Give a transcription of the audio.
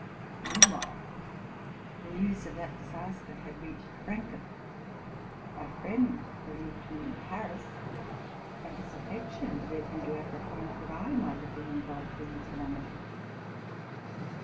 Mean while the news of that disaster had reached Frankfort: my friend believed me in Paris, and his affection led him to apprehend that I might have been involved in the calamity.